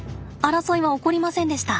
争いは起こりませんでした。